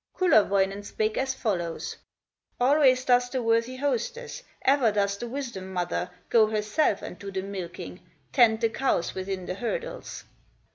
Kullerwoinen spake as follows: "Always does the worthy hostess, Ever does the wisdom mother Go herself and do the milking, Tend the cows within the hurdles!"